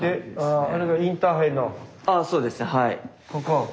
ああそうですねはい。